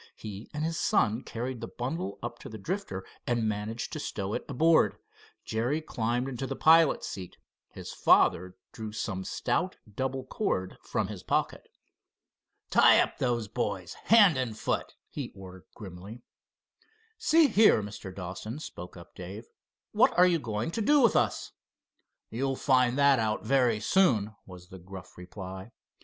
He and his son carried the bundle up to the Drifter and managed to stow it aboard. Jerry climbed into the pilot's seat. His father drew some stout double cord from his pocket. "Tie up those boys hand and foot," he ordered grimly. "See here, Mr. Dawson," spoke up Dave, "what are you going to do with us?" "You'll find that out very soon," was the gruff reply.